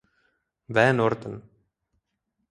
W. Norton.